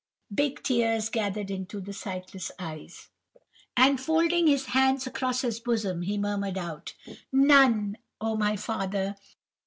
Big tears gathered into the sightless eyes, and folding his hands across his bosom, he murmured out:— "'None, oh my father.